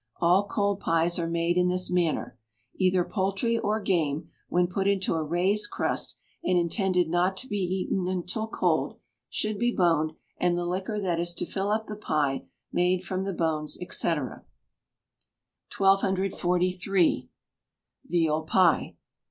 All cold pies are made in this manner. Either poultry or game, when put into a raised crust and intended not to be eaten until cold, should be boned, and the liquor that is to fill up the pie made from the bones, &c. 1243. Veal Pie.